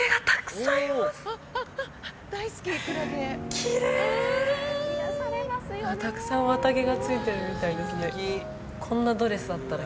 きれいたくさん綿毛がついているみたいですね